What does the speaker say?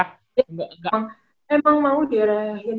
emang mau dirahin ke basket sih